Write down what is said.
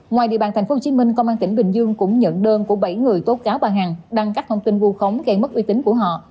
ngoài địa bàn tp hcm công an tp hcm cũng nhận đơn của bảy người tố cáo bà hằng đăng các thông tin vô khống gây mất uy tín của họ